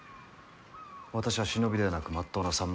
私は忍びではなくまっとうなさむら。